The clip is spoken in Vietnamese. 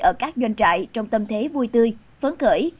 ở các doanh trại trong tâm thế vui tươi phấn khởi